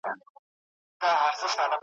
جهاني تر کندهاره چي رانه سې,